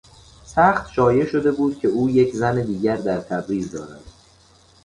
سخت شایع شده بود که او یک زن دیگر در تبریز دارد.